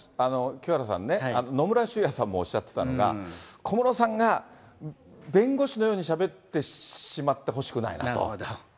清原さんね、野村修也さんもおっしゃってたのが、小室さんが弁護士のようにしゃべってしまってほしくないなと。